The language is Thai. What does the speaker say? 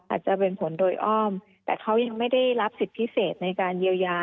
อาจจะเป็นผลโดยอ้อมแต่เขายังไม่ได้รับสิทธิพิเศษในการเยียวยา